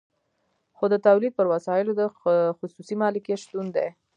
خو د تولید پر وسایلو د خصوصي مالکیت شتون دی